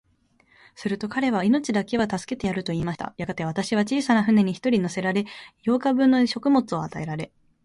すると彼は、命だけは助けてやる、と言いました。やがて、私は小さな舟に一人乗せられ、八日分の食物を与えられ、